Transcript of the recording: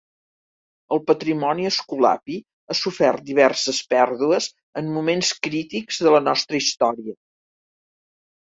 El patrimoni escolapi ha sofert diverses pèrdues en moments crítics de la nostra història.